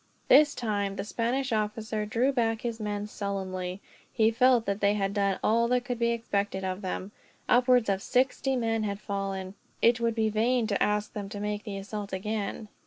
This time, the Spanish officer drew back his men sullenly. He felt that they had done all that could be expected of them. Upwards of sixty men had fallen. It would be vain to ask them to make the assault again.